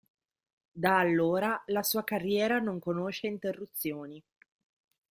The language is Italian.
Da allora la sua carriera non conosce interruzioni.